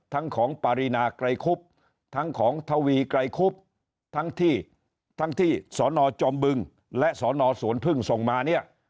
ทั้งของปรินาไกลคุบทั้งของทวีไกลคุบทั้งที่สนจมบึงและสนสวนพึ่งส่งมาเนี่ย